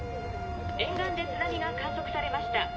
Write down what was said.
沿岸で津波が観測されました。